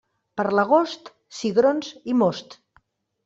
Per l'agost, cigrons i most.